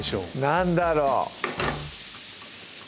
何だろう？